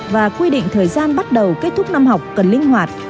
và quy định thời gian bắt đầu kết thúc năm học cần linh hoạt